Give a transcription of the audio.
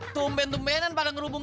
demi apa maan